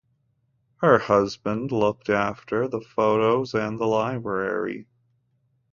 Her husband looked after the photos and the library.